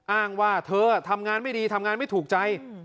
อ้างว่าเธอทำงานไม่ดีทำงานไม่ถูกใจ